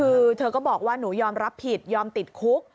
คือเธอก็บอกว่าหนูยอมรับผิดยอมติดคุก